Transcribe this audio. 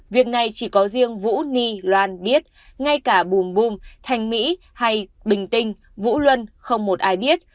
việc này chỉ có riêng vũ ni loan biết ngay cả bùm bùm thành mỹ hay bình tinh vũ luân không một ai biết